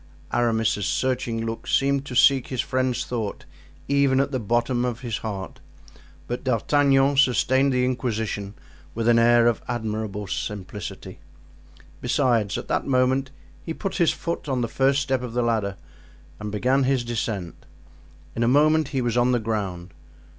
Aramis's searching look seemed to seek his friend's thought even at the bottom of his heart, but D'Artagnan sustained the inquisition with an air of admirable simplicity. Besides, at that moment he put his foot on the first step of the ladder and began his descent. In a moment he was on the ground.